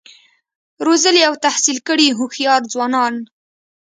روزلي او تحصیل کړي هوښیار ځوانان